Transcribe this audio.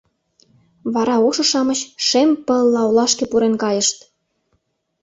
Вара ошо-шамыч шем пылла олашке пурен кайышт.